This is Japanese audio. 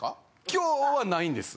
今日はないんです。